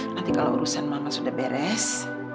nanti kalau urusan makan sudah beres